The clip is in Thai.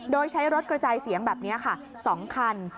โดยใช้รถกระจายเสียงแบบนี้ค่ะ๒คัน